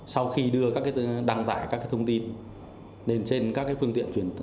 sau khi đưa các đăng tải các thông tin lên trên các phương tiện chuyển